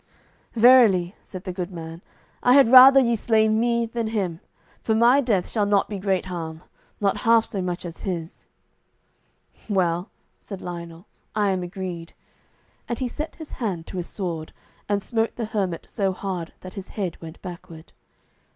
"Verily," said the good man, "I had rather ye slay me than him, for my death shall not be great harm, not half so much as his." "Well," said Lionel, "I am agreed"; and he set his hand to his sword, and smote the hermit so hard that his head went backward.